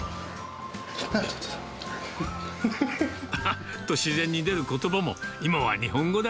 あっと自然に出ることばも、今は日本語だ。